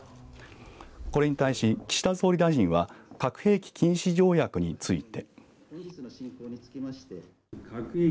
これに対し岸田総理大臣は核兵器禁止条約について。